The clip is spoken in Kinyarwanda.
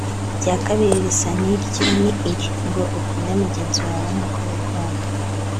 irya kabiri risa n’iryo ni iri ngo “Ukunde mugenzi wawe nk’uko wikunda